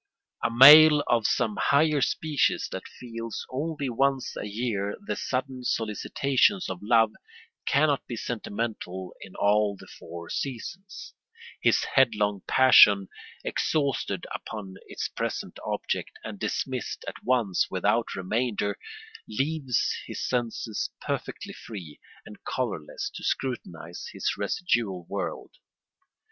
A male of some higher species that feels only once a year the sudden solicitations of love cannot be sentimental in all the four seasons: his head long passion, exhausted upon its present object and dismissed at once without remainder, leaves his senses perfectly free and colourless to scrutinise his residual world.